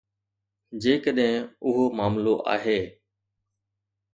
جيڪڏهن اهو معاملو آهي.